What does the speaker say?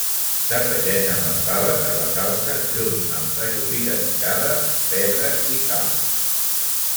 S'afegeixen les faves a la salsa junt amb sajolida picada, pebre i sal.